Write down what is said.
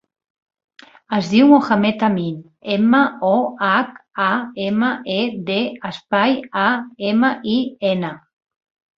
Es diu Mohamed amin: ema, o, hac, a, ema, e, de, espai, a, ema, i, ena.